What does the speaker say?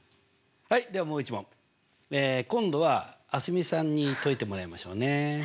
はいではもう一問今度は蒼澄さんに解いてもらいましょうね。